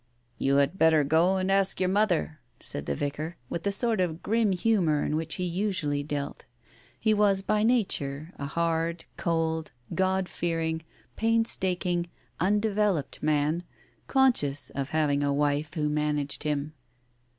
"You had better go and ask your mother," said the Vicar, with the sort of grim humour in which he usually dealt. He was by nature a hard, cold, God fearing, painstaking, undeveloped man, conscious of having a wife who managed him.